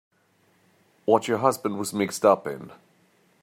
What your husband was mixed up in.